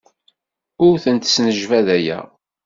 Ur tent-snejbadayeɣ.